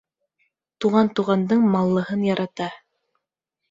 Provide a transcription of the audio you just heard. Туған туғандың маллыһын ярата.